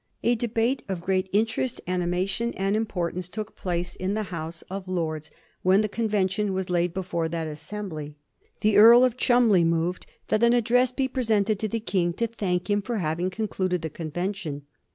A debate of great interest, animation, and importance took place in the House of Lords when the convention was laid before that assembly. The Earl of Cholmondeley moved that an address be presented to the King to thank him for having concluded the convention.